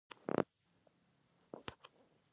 زه روان شوم او نجلۍ له شا را غږ کړ